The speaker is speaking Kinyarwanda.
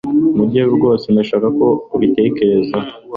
Nibyo rwose ndashaka ko abitekereza.